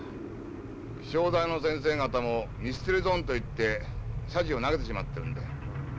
気象台の先生方もミステリーゾーンと言ってさじを投げてしまってるんで。